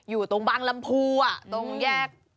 อยู่ตรงบางลำพูตรงแยก